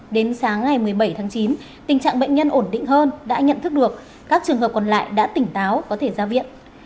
đến sáng ngày một mươi bảy tháng chín tình trạng bệnh nhân ổn định hơn đã nhận thức được các trường hợp còn lại đã tỉnh táo có thể ra viện